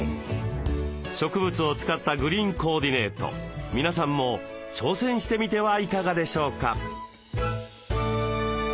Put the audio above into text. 植物を使ったグリーンコーディネート皆さんも挑戦してみてはいかがでしょうか。